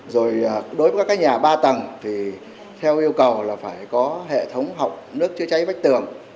rồi đối với các nhà ba tầng thì theo yêu cầu là phải có hệ thống học nước chữa cháy vách tường